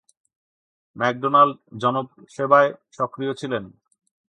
McDonald জনসেবায় সক্রিয় ছিলেন।